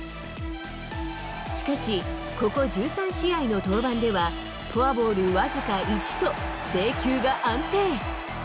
しかし、ここ１３試合の登板では、フォアボール僅か１と、制球が安定。